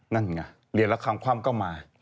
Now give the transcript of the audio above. นั่นไงเหรียญละครังคว่ำก็มา